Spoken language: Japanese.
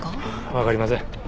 分かりません。